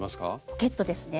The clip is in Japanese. ポケットですね。